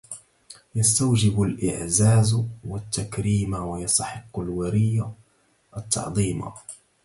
يستوجب الإعزاز و التكريما ويستحق في الوري التعظيما